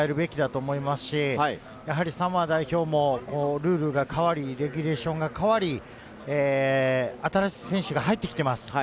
そこを勉強できたということはポジティブに捉えるべきだと思いますし、サモア代表もルールが変わり、レギュレーションが変わり、新しい選手が入ってきています。